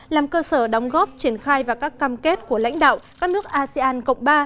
làm cơ sở đóng góp triển khai và các cam kết của lãnh đạo các nước asean cộng ba